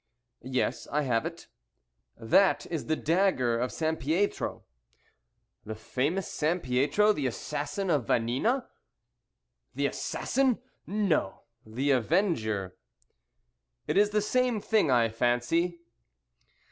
"Yes, I have it." "That is the dagger of Sampietro." "The famous Sampietro, the assassin of Vanina?" "The assassin! No, the avenger." "It is the same thing, I fancy."